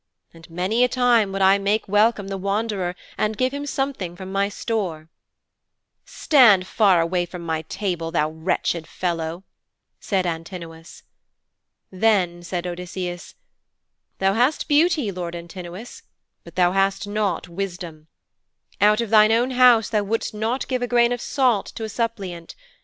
And many a time would I make welcome the wanderer and give him something from my store.' 'Stand far away from my table, thou wretched fellow,' said Antinous. Then said Odysseus, 'Thou hast beauty, lord Antinous, but thou hast not wisdom. Out of thine own house thou wouldst not give a grain of salt to a suppliant.